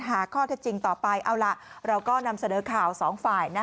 หาข้อเท็จจริงต่อไปเอาล่ะเราก็นำเสนอข่าวสองฝ่าย